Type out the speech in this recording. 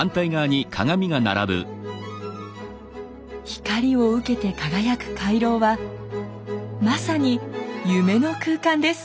光を受けて輝く回廊はまさに夢の空間です。